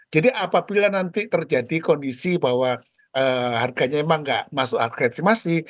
jadi apabila nanti terjadi kondisi bahwa harganya emang nggak masuk harga estimasi